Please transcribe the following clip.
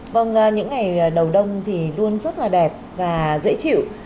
vâng những ngày đầu đông thì luôn rất là đẹp và dễ chịu